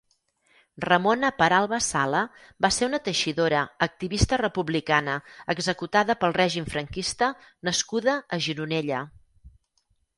Ramona Peralba Sala va ser una teixidora, activista republicana executada pel règim franquista nascuda a Gironella.